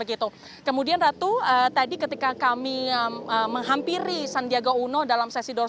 kemudian ratu tadi ketika kami menghampiri sandiaga uno dalam sesi dosis